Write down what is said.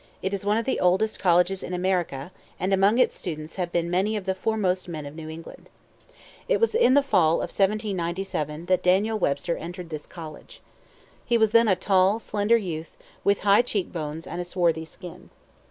It is one of the oldest colleges in America and among its students have been many of the foremost men of New England. It was in the fall of 1797, that Daniel Webster entered this college. He was then a tall, slender youth, with high cheek bones and a swarthy skin.